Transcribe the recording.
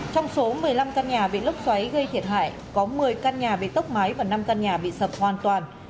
trong số một mươi năm căn nhà bị lốc xoáy gây thiệt hại có một mươi căn nhà bị tốc mái và năm căn nhà bị sập hoàn toàn